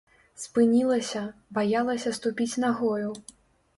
Спынілася, баялася ступіць нагою.